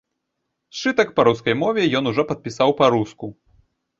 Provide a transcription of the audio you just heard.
Сшытак па рускай мове ён ужо падпісаў па-руску.